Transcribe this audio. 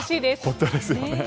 本当ですよね。